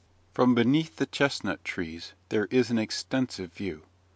From beneath the chestnut trees, there is an extensive view.